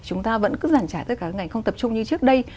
chúng ta vẫn cứ giản trải tới các ngành không tập trung như trước đây